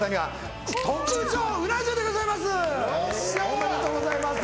おめでとうございます。